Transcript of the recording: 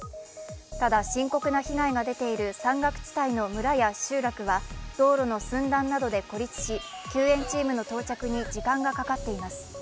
ただ、深刻な被害が出ている山岳地帯の村や集落は道路の寸断などで孤立し救援チームの到着に時間がかかっています。